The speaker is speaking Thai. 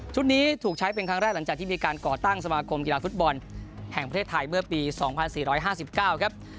นี้ถูกใช้เป็นครั้งแรกหลังจากที่มีการก่อตั้งสมาคมกีฬาฟุตบอลแห่งประเทศไทยเมื่อปี๒๔๕๙ครับ